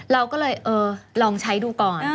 เราก็เลยเออลองใช้ดูก่อน